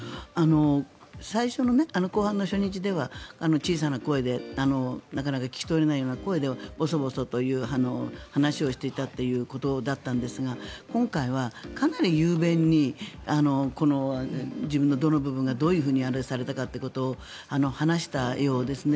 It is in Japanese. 最初の公判の初日では小さな声でなかなか聞き取れないような声でボソボソと話をしていたということだったんですが今回はかなり雄弁に自分のどの部分がどうあれされたかということを話したようですね。